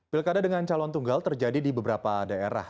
pilkada dengan calon tunggal terjadi di beberapa daerah